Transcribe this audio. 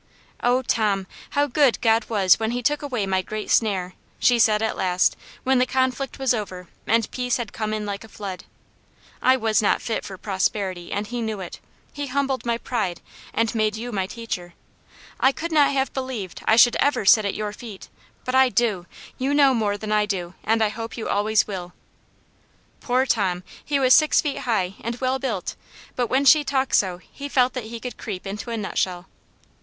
Oh, Tom, how good God was when he took away my great snare !" she said, at last, when the conflict was over and peace had come in like a flood. " I was not fit for prosperity, and He knew it. He humbled my pride, and made you my teacher ! I could not have believed I should ever sit at your feet; Aunt Jane's Hero. 213 but I do ; you know more than I do, and I hope you always will !" Poor Tom ! he was six feet high and well built, but when she talked so he felt that he could creep into a nut shell.